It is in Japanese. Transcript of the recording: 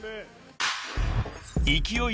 ［勢い